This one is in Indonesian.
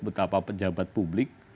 betapa pejabat publik